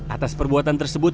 atas perbuatan tersebut